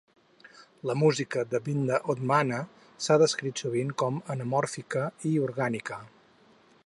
La música de Vidna Obmana s'ha descrit sovint con a anamòrfica i orgànica.